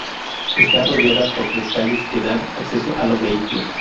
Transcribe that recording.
Está rodeada por tres calles que dan acceso a los vehículos.